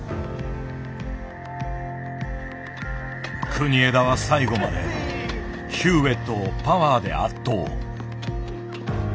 国枝は最後までヒューウェットをパワーで圧倒。